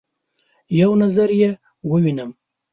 یو نظر يې ووینم